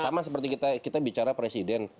sama seperti kita bicara presiden